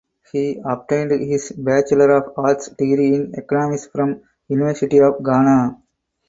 He obtained his Bachelor of Arts degree in Economics from University of Ghana.